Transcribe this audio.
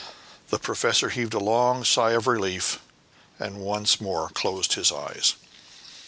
The professor heaved a long sigh of relief, and once more closed his eyes.